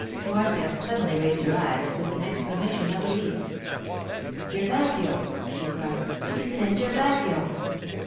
Marcia suddenly raised her eyes, with an exclamation of relief. 'Gervasio!' she cried. 'We can send Gervasio.